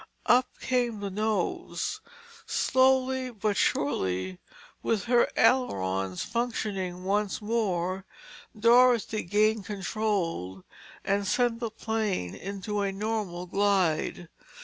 Up came the nose, slowly but surely and with her ailerons functioning once more, Dorothy gained control and sent the plane into a normal glide.